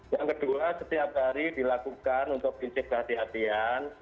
yang kedua setiap hari dilakukan untuk kincip ke hati hatian